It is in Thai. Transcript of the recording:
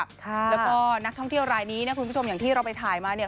แล้วก็นักท่องเที่ยวรายนี้นะคุณผู้ชมอย่างที่เราไปถ่ายมาเนี่ย